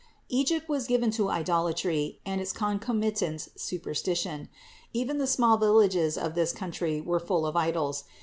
642. Egypt was much given to idolatry and its con comitant superstition. Even the small villages of this country were full of idols.